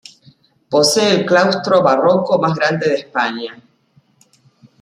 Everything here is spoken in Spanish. Posee el claustro barroco más grande de España.